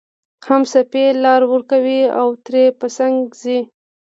هم څپې لار ورکوي او ترې په څنګ ځي